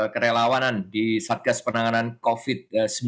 kerelawanan di satgas penanganan covid sembilan belas